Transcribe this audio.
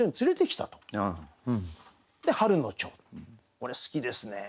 これ好きですね。